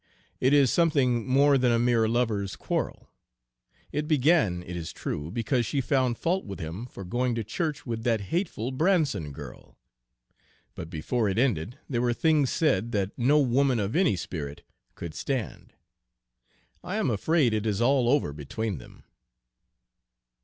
"It is something more than a mere lovers' quarrel. It began, it is true, because she found fault with him for going to church with that hateful Branson girl. But before it ended there were things said that no woman of any spirit could stand. I am afraid it is all over between them."